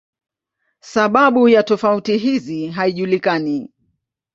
Sababu ya tofauti hizi haijulikani.